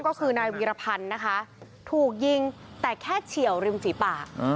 ก็คือนายวีรพันธ์นะคะถูกยิงแต่แค่เฉียวริมฝีปาก